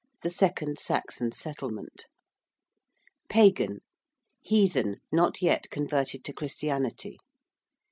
THE SECOND SAXON SETTLEMENT. ~Pagan~: heathen, not yet converted to Christianity.